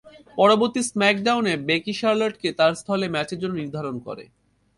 পরবর্তী স্ম্যাকডাউনে Becky Charlotte কে তার স্থলে ম্যাচের জন্য নির্ধারণ করে।